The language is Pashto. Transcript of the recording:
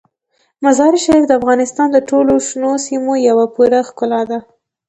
مزارشریف د افغانستان د ټولو شنو سیمو یوه پوره ښکلا ده.